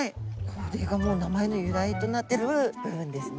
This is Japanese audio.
これがもう名前の由来となってる部分ですね。